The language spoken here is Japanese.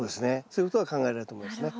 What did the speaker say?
そういうことが考えられると思いますね。